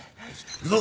行くぞ。